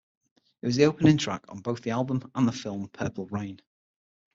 It was the opening track on both the album and the film "Purple Rain".